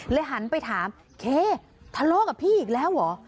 หันไปถามเคทะเลาะกับพี่อีกแล้วเหรอ